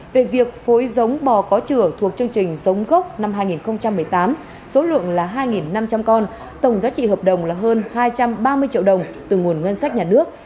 về việc phối giống bò có chữa thuộc chương trình giống gốc năm hai nghìn một mươi tám số lượng là hai năm trăm linh con tổng giá trị hợp đồng là hơn hai trăm ba mươi triệu đồng từ nguồn ngân sách nhà nước